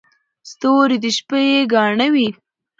• ستوري د شپې ګاڼه وي.